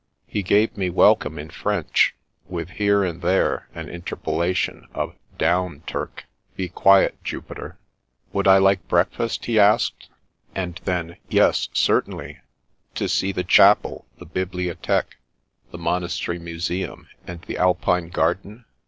He gave me welcc«ne in French, with here and there an interpellation of " Down, Turk," " Be quiet, Jupiter !" Would I like break fast, he asked ; and then — ^yes, certainly — ^to see the chapel, the hihliothique, the monastery museum, and the Alpine garden